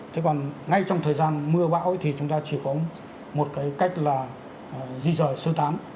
thế còn ngay trong thời gian mưa bão thì chúng ta chỉ có một cái cách là di rời sơ tán